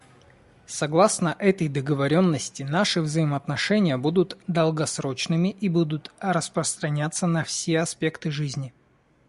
Согласно этой договоренности наши взаимоотношения будут долгосрочными и будут распространяться на все аспекты жизни.